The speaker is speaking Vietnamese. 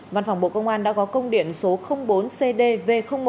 văn phòng bộ công an đã có công điện số bốn cdv một